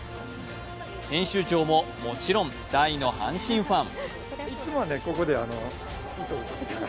編集長ももちろん大の阪神ファン。